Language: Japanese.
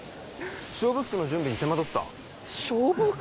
勝負服の準備に手間取った勝負服？